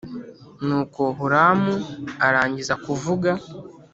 Nuko Huramu arangiza kuvuga